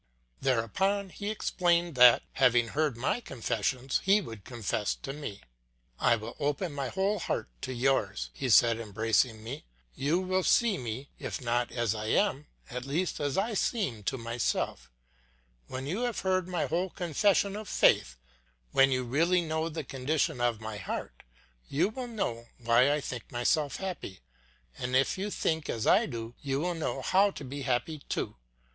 Thereupon he explained that, having heard my confessions, he would confess to me. "I will open my whole heart to yours," he said, embracing me. "You will see me, if not as I am, at least as I seem to myself. When you have heard my whole confession of faith, when you really know the condition of my heart, you will know why I think myself happy, and if you think as I do, you will know how to be happy too.